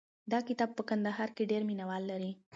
دا کتاب په کندهار کې ډېر مینه وال لري.